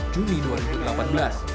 di tahun dua ribu delapan belas